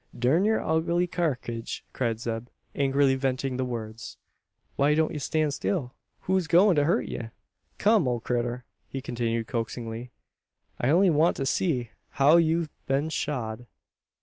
"Durn your ugly karkidge!" cried Zeb, angrily venting the words. "Why don't ye stan' still? Who's goin' to hurt ye? Come, ole critter!" he continued coaxingly, "I only want to see how youv'e been shod."